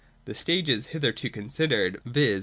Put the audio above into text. The stages hitherto considered, viz.